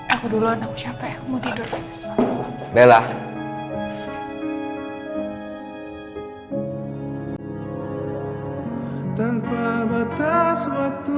aku duluan aku capek aku mau tidur